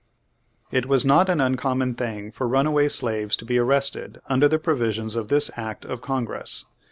It was not an uncommon thing for runaway slaves to be arrested under the provisions of this act of Congress.